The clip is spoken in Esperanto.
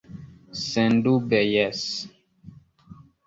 Sendube jes.